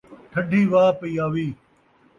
ٹھَڈّی وا پئی آوی